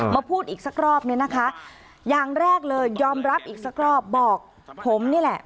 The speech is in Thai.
มาพูดอีกสักรอบเนี่ยนะคะอย่างแรกเลยยอมรับอีกสักรอบบอกผมนี่แหละ